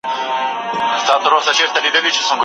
قربان